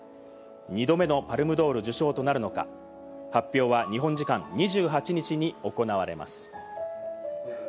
２度目のパルムドール受賞となるのか発表は日本時間２８日に行われます。